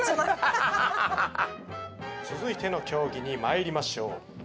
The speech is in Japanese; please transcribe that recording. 続いての競技にまいりましょう。